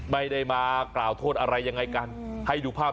ไม่ได้มากล่าวโทษอะไรยังไงกันให้ดูภาพ